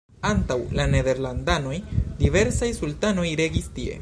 Antaŭ la nederlandanoj diversaj sultanoj regis tie.